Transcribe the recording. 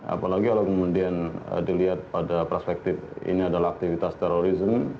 apalagi kalau kemudian dilihat pada perspektif ini adalah aktivitas terorisme